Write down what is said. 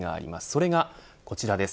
それがこちらです。